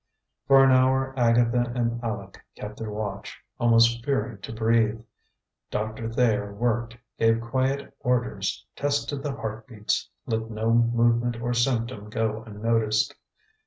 For an hour Agatha and Aleck kept their watch, almost fearing to breathe. Doctor Thayer worked, gave quiet orders, tested the heartbeats, let no movement or symptom go unnoticed.